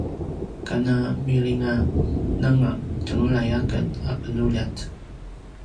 kana milingananga tjenglay aken a penuljat